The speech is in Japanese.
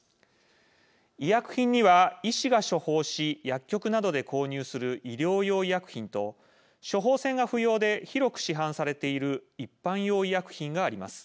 医薬品には、医師が処方し薬局などで購入する医療用医薬品と処方箋が不要で広く市販されている一般用医薬品があります。